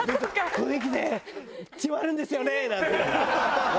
「雰囲気で決まるんですよね」なんて。